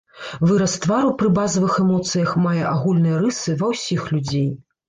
Выраз твару пры базавых эмоцыях мае агульныя рысы ва ўсіх людзей.